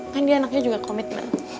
kan dia anaknya juga komitmen